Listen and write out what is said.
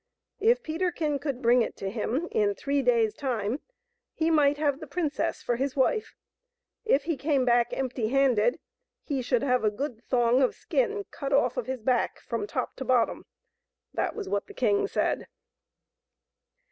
If Peterkin could bring it to him in three days* time he might have the princess for his wife ; if he came back empty handed he should have a good thong of skin cut off of his back from top to bottom ; that was what the king said.